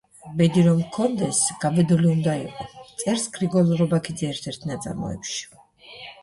"ბედი რომ გქონდეს, გაბედული უნდა იყო", წერს გრიგოლ რობაქიძე ერთ-ერთ ნაწარმოებში.